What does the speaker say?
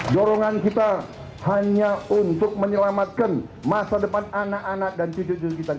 dorongan kita hanya untuk menyelamatkan masa depan anak anak dan cucu cucu kita